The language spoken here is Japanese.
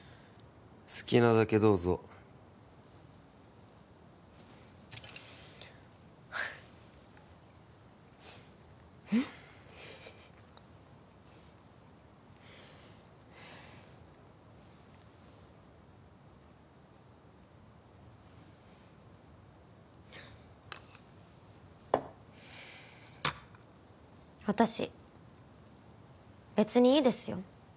好きなだけどうぞ私別にいいですよ